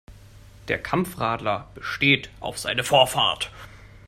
Der Kampfradler besteht auf seine Vorfahrt.